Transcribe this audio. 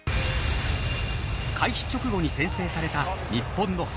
開始直後に先制された日本の反撃。